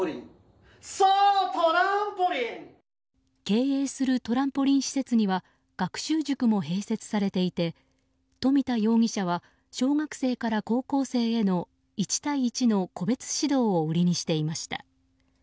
経営するトランポリン施設には学習塾も併設されていて富田容疑者は小学生から高校生への１対１の個別指導を売りにしていました。